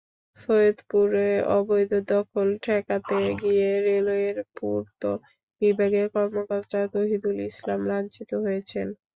সৈয়দপুরে অবৈধ দখল ঠেকাতে গিয়ে রেলওয়ের পূর্ত বিভাগের কর্মকর্তা তহিদুল ইসলাম লাঞ্ছিত হয়েছেন।